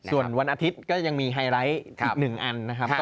ส่วนวันอาทิตย์ก็ยังมีไฮไลท์อีก๑อันนะครับ